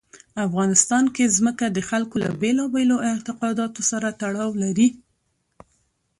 افغانستان کې ځمکه د خلکو له بېلابېلو اعتقاداتو سره تړاو لري.